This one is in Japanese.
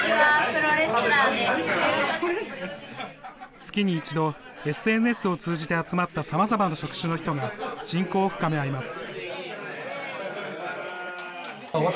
月に一度、ＳＮＳを通じて集まったさまざまな職種の人が、親交を深め合います。